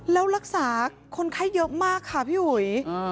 แล้วรักษาคนไข้เยอะมากค่ะพี่อุ๋ย